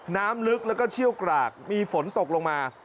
น้ำลึกแล้วก็เชี่ยวกรากมีฝนตกลงมา